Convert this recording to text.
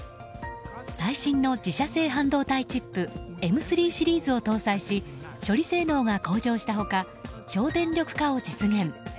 最新の自社製半導体チップＭ３シリーズを搭載し処理性能が向上した他省電力化を実現。